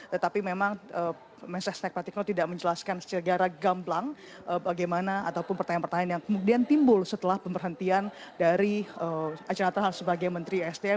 tetapi memang mensesnek patikno tidak menjelaskan secara gamblang bagaimana ataupun pertanyaan pertanyaan yang kemudian timbul setelah pemberhentian dari archandra tahar sebagai menteri sdm